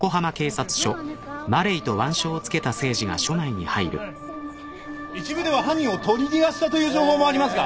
一部では犯人を取り逃がしたという情報もありますが。